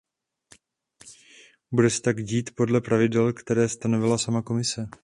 Bude se tak dít podle pravidel, které stanovila sama Komise.